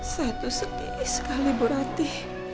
saya tuh sedih sekali bu rante